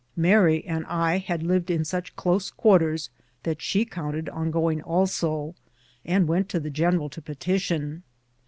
Mary and I had lived in such close quarters that she counted on going also, and went to the generai to petition.